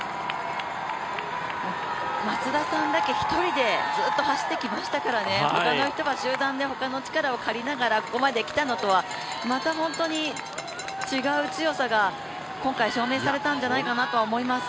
松田さんだけ一人でずっと走ってきましたからね他の人が集団で他の力を借りながらここまで来たのとはまた本当に違う強さが今回、証明されたんじゃないかなと思います。